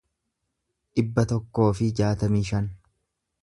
dhibba tokkoo fi jaatamii shan